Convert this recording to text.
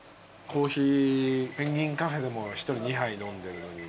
ペンギンカフェでも１人２杯飲んでるのに。